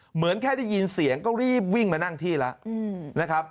เหมือนแค่ได้ยินเสียงก็รีบวิ่งมานั่งที่แล้วนะครับ